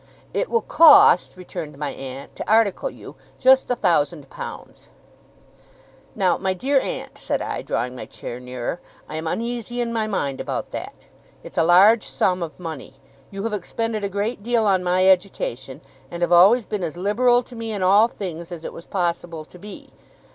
'It will cost,' returned my aunt, 'to article you, just a thousand pounds.' 'Now, my dear aunt,' said I, drawing my chair nearer, 'I am uneasy in my mind about that. It's a large sum of money. You have expended a great deal on my education, and have always been as liberal to me in all things as it was possible to be.